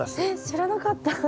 えっ知らなかった。